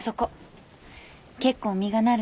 結構実がなるのよ。